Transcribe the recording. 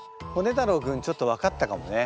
太郎君ちょっと分かったかもね。